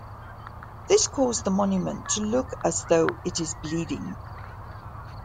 This caused the monument to look as though it is bleeding.